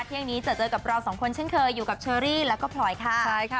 เที่ยงนี้จะเจอกับเราสองคนเช่นเคยอยู่กับเชอรี่แล้วก็พลอยค่ะใช่ค่ะ